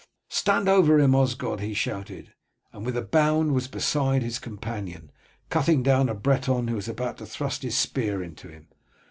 "Stand over him, Osgod!" he shouted, and with a bound was beside his companion, cutting down a Breton who was about to thrust his spear into him.